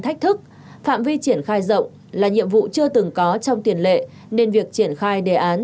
thách thức phạm vi triển khai rộng là nhiệm vụ chưa từng có trong tiền lệ nên việc triển khai đề án